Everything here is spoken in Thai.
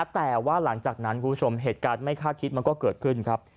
แต่ว่าหลังจากนั้นคุณผู้ชมเหตุการณ์ไม่คาดคิดมันก็เกิดขึ้นครับ